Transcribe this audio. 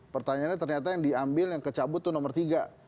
pertanyaannya ternyata yang diambil yang kecabut itu nomor tiga